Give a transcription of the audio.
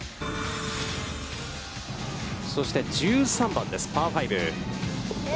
そして１３番です、パー５。